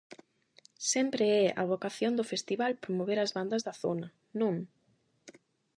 Sempre é a vocación do festival promover as bandas da zona, non?